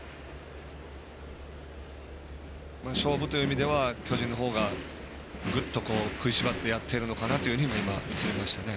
勝負という意味では巨人の方がぐっと食いしばってやってるのかなと今、映りましたね。